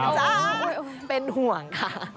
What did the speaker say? เจ้าเป็นห่วงค่ะ